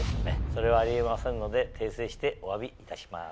それはあり得ませんので訂正しておわびいたします。